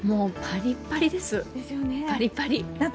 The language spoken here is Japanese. パリッパリです、パリパリ。